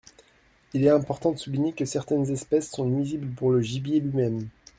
Il est important de souligner que certaines espèces sont nuisibles pour le gibier lui-même.